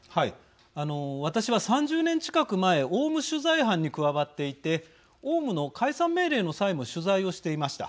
私は３０年近く前オウム取材班に加わっていてオウムの解散命令の際も取材をしていました。